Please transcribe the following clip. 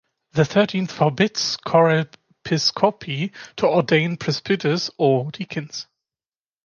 The thirteenth forbids chorepiscopi to ordain presbyters or deacons.